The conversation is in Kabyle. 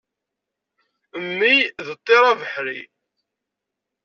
Mmi d ṭṭir abeḥri.